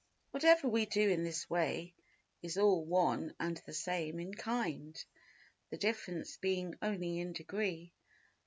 Whatever we do in this way is all one and the same in kind—the difference being only in degree.